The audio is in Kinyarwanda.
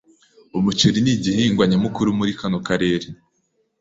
Umuceri nigihingwa nyamukuru muri kano karere.